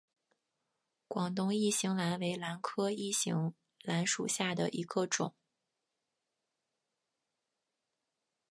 广东异型兰为兰科异型兰属下的一个种。